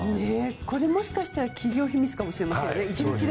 これもしかしたら企業秘密かもしれませんね。